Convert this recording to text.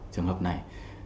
trường hợp này